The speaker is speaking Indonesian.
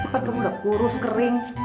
cepat kamu udah kurus kering